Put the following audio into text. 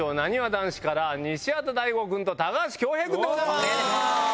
男子から西畑大吾君と高橋恭平君です。